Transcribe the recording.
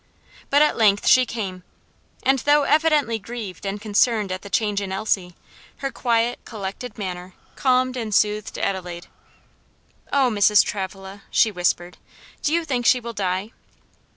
But at length she came, and, though evidently grieved and concerned at the change in Elsie, her quiet, collected manner calmed and soothed Adelaide. "Oh, Mrs. Travilla," she whispered, "do you think she will die?"